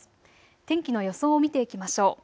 天気の予想を見ていきましょう。